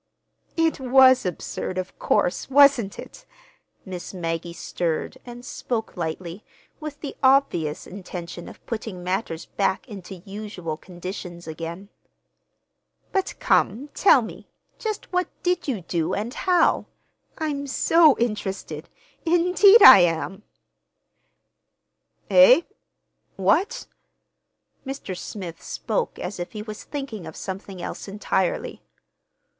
"It was absurd, of course, wasn't it?" Miss Maggie stirred and spoke lightly, with the obvious intention of putting matters back into usual conditions again. "But, come, tell me, just what did you do, and how? I'm so interested—indeed, I am!" "Eh? What?" Mr. Smith spoke as if he was thinking of something else entirely.